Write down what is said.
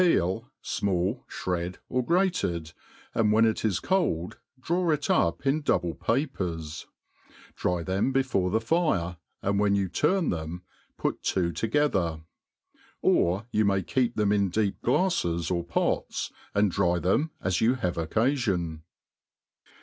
e] fmall, (hred, or grated, and when it is cold, draw it up in double papers j dry them before the fire, and when you turn them, put two together ; or you may keep them in deep glaffes or pots^ and dry them as you havex>ccafion.